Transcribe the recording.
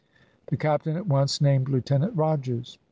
The captain at once named Lieutenant Rogers.